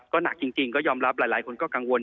ก็หนักจริงก็ยอมรับหลายคนก็กังวล